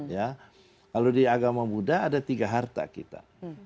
kalau di agama buddha ada tiga harta kita